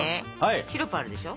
シロップあるでしょ。